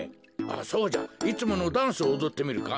そうじゃいつものダンスをおどってみるか。